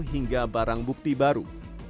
hingga barang bukti baru